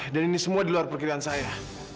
dan ini semua di luar perkiraan saya